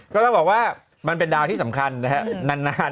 ก็ต้องบอกว่ามันเป็นดาวที่สำคัญนะฮะนาน